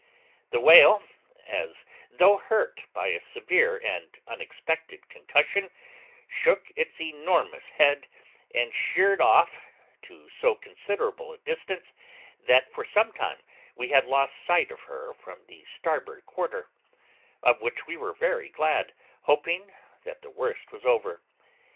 'The whale, as though hurt by a severe and unexpected concussion, shook its enormous head, and sheered off to so considerable a distance that for some time we had lost sight of her from the starboard quarter; of which we were very glad, hoping that the worst was over.